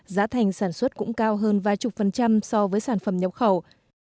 giá thành sản xuất cũng cao hơn vài chục phần trăm so với sản phẩm nhập khẩu